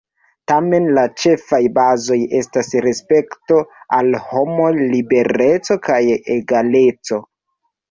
Tamen la ĉefaj bazoj estas respekto al homoj, libereco kaj egaleco.